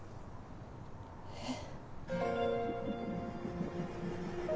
えっ？